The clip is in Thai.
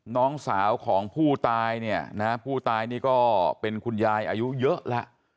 น้องสาวของผู้ตายเนี่ยนะผู้ตายนี่ก็เป็นคุณยายอายุเยอะแล้ว